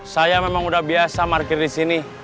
saya memang udah biasa parkir di sini